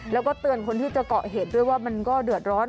แล้วก็เตือนคนที่จะเกาะเหตุด้วยว่ามันก็เดือดร้อน